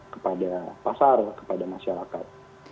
kepada pasar kepada masyarakat